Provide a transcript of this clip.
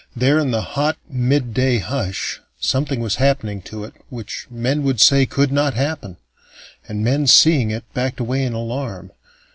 There, in the hot midday hush, something was happening to it which men would say could not happen; and men, seeing it, backed away in alarm.